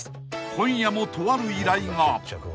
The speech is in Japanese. ［今夜もとある依頼が］